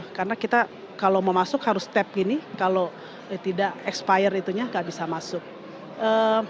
uh karena kita kalau mau masuk harus step gini kalau tidak trans et quindi kalau tidak ekskseyursaya nggak bisa masuk more orang memakai bahwa tidak sampai